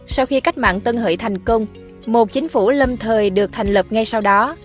sau khi cách mạng tân hội thành công một chính phủ lâm thời được thành lập ngay sau đó